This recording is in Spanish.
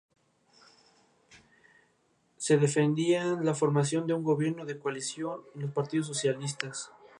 Su presencia se considera de mal augurio, muchas veces anuncio de una muerte próxima.